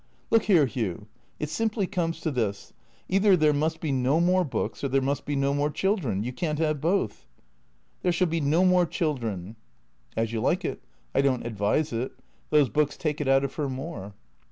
" Look here, Hugh. It simply comes to this. Either there must be no more books or there must be no more children. You can't have both." " There shall be no more children." T H E C R E A T 0 R S 401 " As you like it. I don't advise it. Those books take it out of her more."